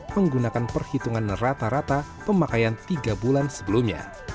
menggunakan perhitungan rata rata pemakaian tiga bulan sebelumnya